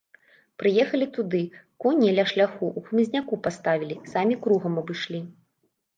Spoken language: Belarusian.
Прыехалі туды, коні ля шляху ў хмызняку паставілі, самі кругам абышлі.